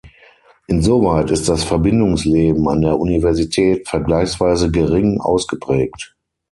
Insoweit ist das Verbindungsleben an der Universität vergleichsweise gering ausgeprägt.